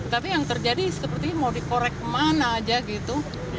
tapi yang terjadi seperti mau dikorek kemana aja gitu